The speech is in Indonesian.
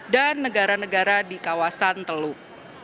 dan negara negara di kawasan teluk